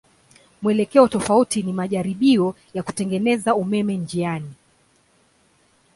Mwelekeo tofauti ni majaribio ya kutengeneza umeme njiani.